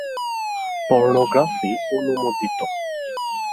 Pornography অনুমোদিত।